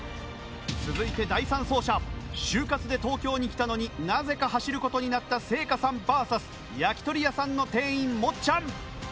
続いて第３走者就活で東京に来たのになぜか走る事になった聖夏さんＶＳ焼き鳥屋さんの店員もっちゃん。